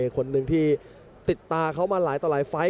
คนหนึ่งที่ติดตาเขามาหลายต่อหลายไฟล์